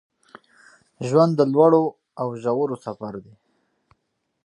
ژوند د لوړو او ژورو سفر دی